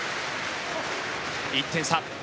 １点差。